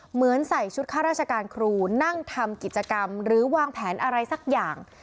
เหมือนใส่ชุดข้าราชการครูนั่งทำกิจกรรมหรือวางแผนอะไรสักอย่าง